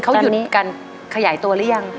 เขาหยุดการขยายตัวหรือยัง